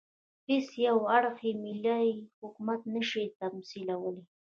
هېڅ یو اړخ یې ملي حکومت نه شي تمثیلولای.